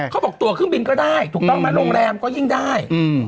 เขาบอกตัวเครื่องบินก็ได้ถูกต้องไหมโรงแรมก็ยิ่งได้